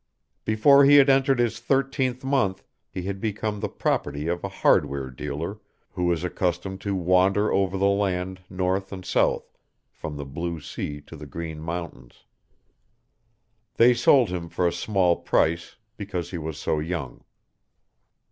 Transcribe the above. Before he had entered his thirteenth month he had become the property of a hardware dealer, who was accustomed to wander over the land north and south, from the blue sea to the green mountains. They sold him for a small price, because he was so young.